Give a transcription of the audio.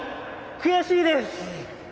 悔しいです！